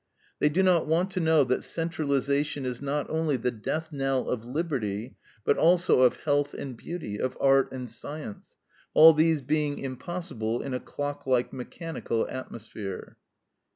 They do not want to know that centralization is not only the death knell of liberty, but also of health and beauty, of art and science, all these being impossible in a clock like, mechanical atmosphere.